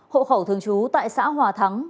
hộ khẩu thường trú tại xã hòa thắng